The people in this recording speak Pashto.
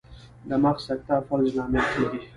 د مغز سکته فلج لامل کیږي